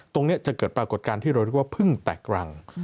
จะเกิดปรากฏการณ์ที่เราเรียกว่าพึ่งแตกรัง